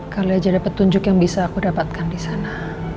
kalau aja dapet petunjuk yang bisa aku dapatkan disana